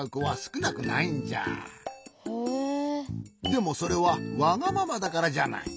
でもそれはわがままだからじゃない。